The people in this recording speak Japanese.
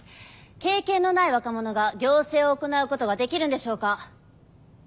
経験のない若者が行政を行うことができるんでしょうか。